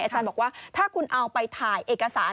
อาจารย์บอกว่าถ้าคุณเอาไปถ่ายเอกสาร